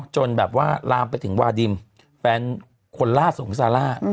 จนรามไปถึงวาดิมแฟนคนล่าสุขของซาร่า